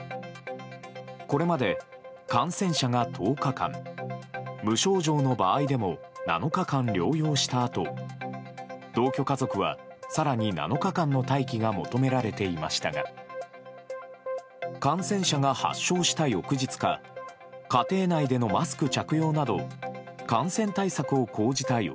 これまで感染者が１０日間無症状の場合でも７日間療養したあと同居家族は更に７日間の待機が求められていましたが感染者が発症した翌日か家庭内でのマスク着用など感染対策を講じた